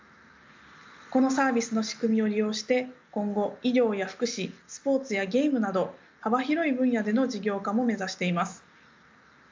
このサービスの仕組みを利用して今後医療や福祉スポーツやゲームなど幅広い分野での事業化も目指しています。